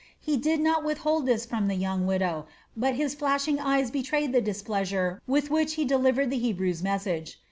He did not withhold this from the young widow, but his flashing eyes betrayed the displeasure with which he delivered the Hebrew's message.